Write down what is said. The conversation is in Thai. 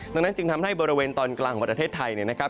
ดังนั้นจึงทำให้บริเวณตอนกลางของประเทศไทยเนี่ยนะครับ